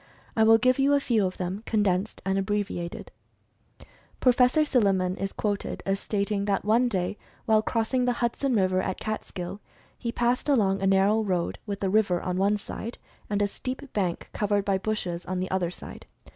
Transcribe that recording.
I will give you a few of them, condensed, and abbreviated. Mental Fascination Among Animals 15 Prof. Silliman is quoted as stating that one day, while crossing the Hudson River, at Catskill, he passed along a narrow road with the river on one side, and a steep bank, covered by bushes, on the other side.